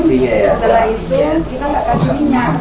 setelah itu kita nggak kasih minyak